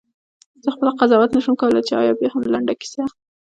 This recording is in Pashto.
زه خپله قضاوت نه شم کولای چې آیا بیاهم لنډه کیسه؟ …